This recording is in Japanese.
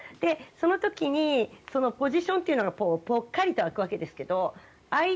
その時にそのポジションというのがぽっかりと空くわけですけど空い